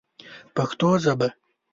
پښتو ژبه